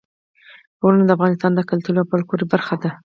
غرونه د افغانستان د کلتور او فولکلور برخه ده.